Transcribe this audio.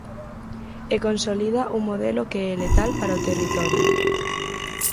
E consolida un modelo que é letal para o territorio.